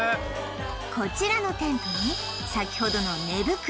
こちらのテントに先ほどの寝袋